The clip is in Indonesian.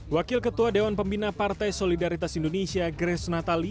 wakil ketua dewan pembina partai solidaritas indonesia grace natali